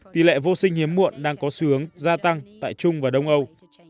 tỷ lệ vô sinh hiếm muộn đang có xu hướng gia tăng tại trung và đông âu